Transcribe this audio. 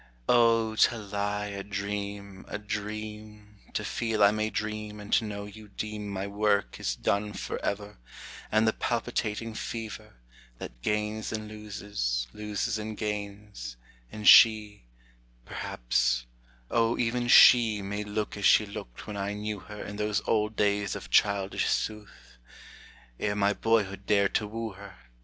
O, to lie a dream, a dream, To feel I may dream and to know you deem My work is done forever, And the palpitating fever, That gains and loses, loses and gains, And she, Perhaps, O even she May look as she looked when I knew her In those old days of childish sooth, Ere my boyhood dared to woo her.